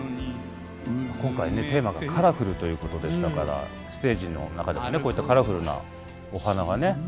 今回ねテーマが「ＣＯＬＯＲＦＵＬ」ということでしたからステージの中でこういったカラフルなお花がね